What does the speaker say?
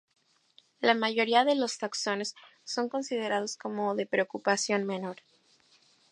La mayoría de los taxones son considerados como de preocupación menor.